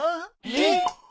えっ！？